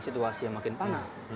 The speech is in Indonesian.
situasi yang makin panas